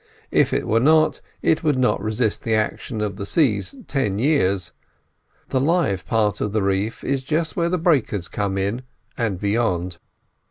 If it were not, it would not resist the action of the sea ten years. The live part of the reef is just where the breakers come in and beyond.